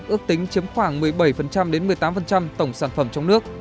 ước tính chiếm khoảng một mươi bảy một mươi tám tổng sản phẩm trong nước